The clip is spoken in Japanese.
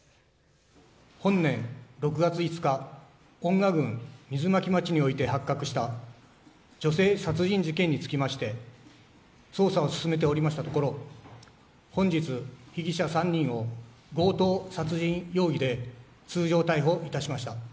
本年６月５日水巻町において発覚した女性殺人事件につきまして捜査を進めておりましたところ本日、被疑者３人を強盗殺人容疑で通常逮捕いたしました。